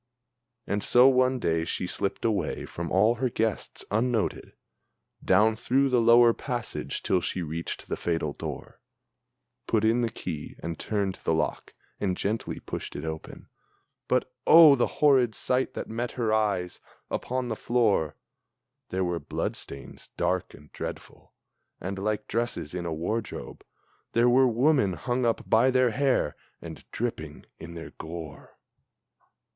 And so one day she slipped away from all her guests, unnoted, Down through the lower passage, till she reached the fatal door, Put in the key and turned the lock, and gently pushed it open But, oh the horrid sight that met her eyes! Upon the floor There were blood stains dark and dreadful, and like dresses in a wardrobe, There were women hung up by their hair, and dripping in their gore!